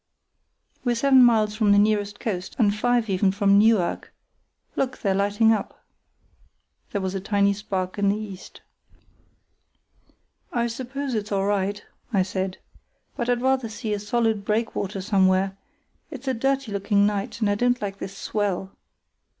We're seven miles from the nearest coast, and five even from Neuerk—look, they're lighting up." There was a tiny spark in the east. "I suppose it's all right," I said, "but I'd rather see a solid breakwater somewhere; it's a dirty looking night, and I don't like this swell."